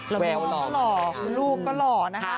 แล้วลูกก็หล่อลูกก็หล่อนะคะ